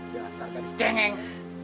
jangan serta di jengeng